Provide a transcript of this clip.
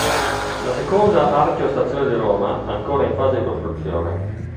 La seconda archeo-stazione di Roma, ancora in fase di costruzione.